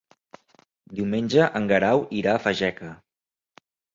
Diumenge en Guerau irà a Fageca.